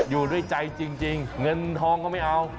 อยู่ด้วยใจจริงเงินทองก็ไม่เอา